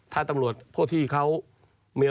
ถ้าตำรวจพวกที่เขามี